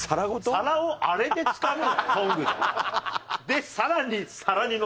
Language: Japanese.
皿をあれでつかむの？